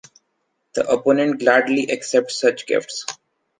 The opponent gladly accepts such gifts.